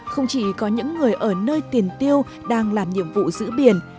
không chỉ có những người ở nơi tiền tiêu đang làm nhiệm vụ giữ biển